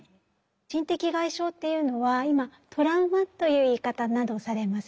心的外傷というのは今「トラウマ」という言い方などをされます。